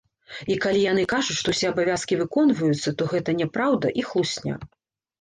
І калі яны кажуць, што ўсе абавязкі выконваюцца, то гэта няпраўда і хлусня.